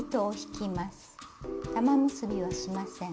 玉結びはしません。